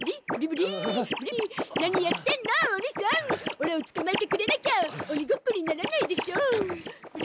オラを捕まえてくれなきゃ鬼ごっこにならないでしょ。